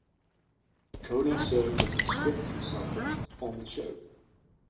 Kohner served as a script consultant on the show.